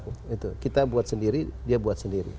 itu kita buat sendiri dia buat sendiri